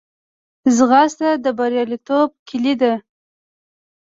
ځغاسته د بریالیتوب کلۍ ده